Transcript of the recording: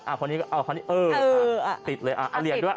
เออเอาเหรียญด้วย